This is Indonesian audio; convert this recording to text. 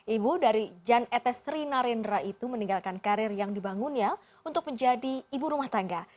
ibu dari jan etes rina rendra itu meninggalkan karir yang dibangunnya untuk menjadi ibu rumah tangga